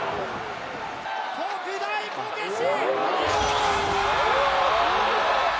特大こけし！